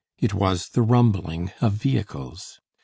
It was the rumbling of vehicles.